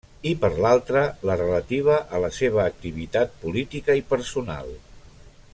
I per l'altra la relativa a la seva activitat política i personal.